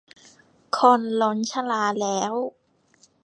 คนล้นชลาแล้ว